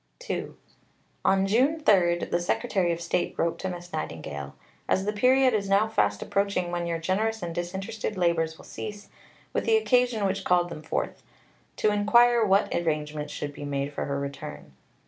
Stanmore, vol. i. pp. 404 5. II On June 3 the Secretary of State wrote to Miss Nightingale, "as the period is now fast approaching when your generous and disinterested labours will cease, with the occasion which called them forth," to inquire what arrangements should be made for her return.